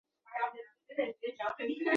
然而这种说法还有相当多的争议。